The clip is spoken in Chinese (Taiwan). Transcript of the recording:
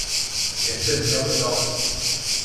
前鎮交流道